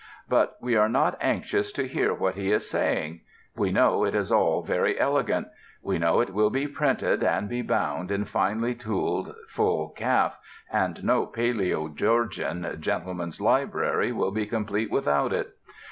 But we are not anxious to hear what he is saying. We know it is all very elegant. We know it will be printed and be bound in finely tooled full calf, and no palæo Georgian gentleman's library will be complete without it.